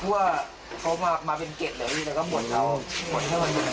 ว่าเขามาเป็นเก็ดแบบนี้แต่ก็หมดแล้ว